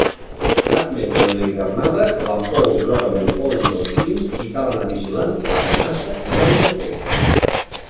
Admeten en la hivernada la pols groga del pol·len dels pins i cal anar vigilant que la pinassa no les ofegue.